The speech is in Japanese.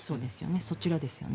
そちらですよね。